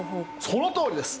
そのとおりです！